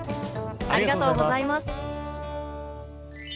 ありがとうございます。